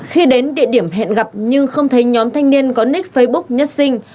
khi đến địa điểm hẹn gặp nhưng không thấy nhóm thanh niên có nick facebook nhất sinh